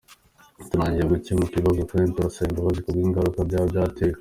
Twarangije gukemura ikibazo kandi turasaba imbabazi kubw’ingaruka byaba byateje.